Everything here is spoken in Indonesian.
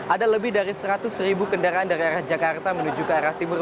ada lebih dari seratus ribu kendaraan dari arah jakarta menuju ke arah timur